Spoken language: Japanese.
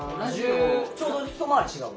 ちょうど一回り違う。